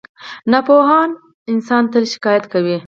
• ناپوهه انسان تل شکایت کوي.